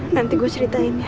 nanti gua ceritain ya